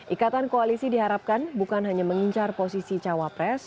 ikatan koalisi diharapkan bukan hanya mengincar posisi cawapres